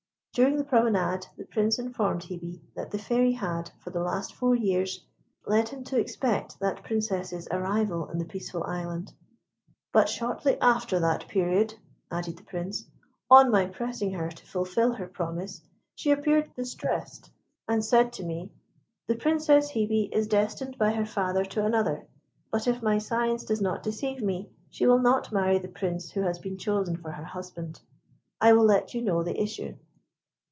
During the promenade, the Prince informed Hebe that the Fairy had, for the last four years, led him to expect that Princess's arrival in the Peaceful Island; "but shortly after that period," added the Prince, "on my pressing her to fulfil her promise, she appeared distressed, and said to me, 'The Princess Hebe is destined by her father to another; but if my science does not deceive me, she will not marry the Prince who has been chosen for her husband. I will let you know the issue.'